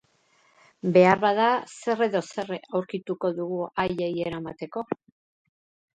Beharbada zer edo zer aurkituko dugu haiei eramateko.